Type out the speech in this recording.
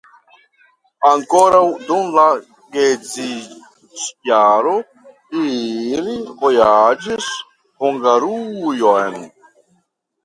Ankoraŭ dum la geedziĝjaro ili vojaĝis Hungarujon.